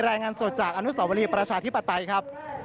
รายงานสดจากอนุสาวรีประชาธิปไตยครับ